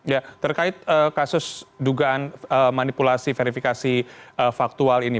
ya terkait kasus dugaan manipulasi verifikasi faktual ini